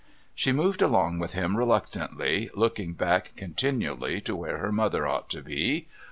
She moved along with him reluctantly, looking back continually to where her mother ought to be.